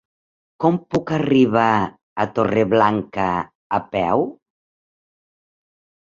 Com puc arribar a Torreblanca a peu?